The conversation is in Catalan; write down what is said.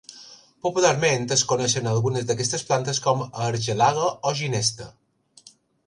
Popularment es coneixen a algunes d'aquestes plantes com a argelaga o ginesta.